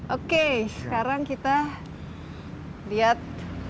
oke sekarang kita lihat